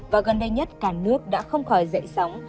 và gần đây nhất cả nước đã không khỏi dậy sóng